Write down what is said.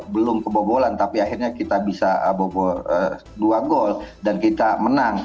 belum kebobolan tapi akhirnya kita bisa dua gol dan kita menang